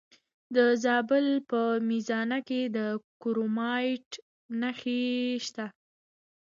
د زابل په میزانه کې د کرومایټ نښې شته.